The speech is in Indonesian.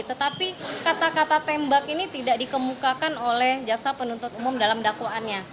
tetapi kata kata tembak ini tidak dikemukakan oleh jaksa penuntut umum dalam dakwaannya